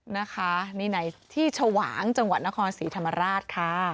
นะคะนี่ไหนที่ชวางจังหวัดนครศรีธรรมราชค่ะ